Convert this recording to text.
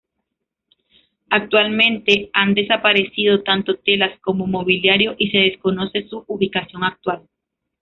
Actualmente han desaparecido tanto telas como mobiliario y se desconoce su ubicación actual.